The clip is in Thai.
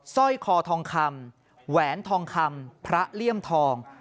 สร้อยคอทองคำแหวนทองคำพระเลี่ยมทอง